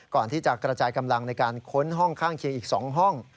ก่อนที่จะกระจายกำลังในการค้นห้องข้างเคียงอีก๒ห้อง